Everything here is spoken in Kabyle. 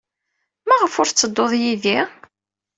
Maɣef ur tettedduḍ yid-i?